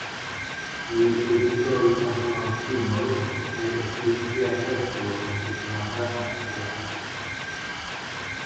Li reĝisoris ankaŭ filmojn kaj estis teatrestro de malgranda teatro.